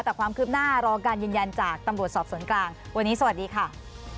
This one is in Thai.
แต่ความคืบหน้ารอการยืนยันจากตำรวจสอบสวนกลางวันนี้สวัสดีค่ะ